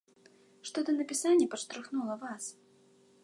Што да напісання падштурхнула вас?